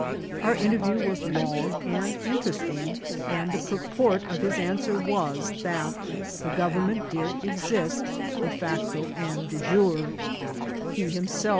Our interview was long and interesting, and the purport of his answer was, that the government did exist de facto and de jure ; he himself SS4 ivcisivTi or tkatsl.